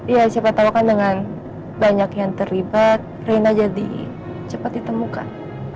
ya siapa tahu kan dengan banyak yang terlibat rena jadi cepat ditemukan